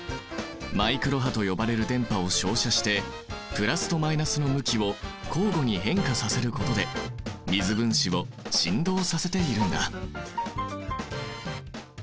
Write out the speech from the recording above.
マイクロ波と呼ばれる電波を照射してプラスとマイナスの向きを交互に変化させることで水分子を振動させているんだ。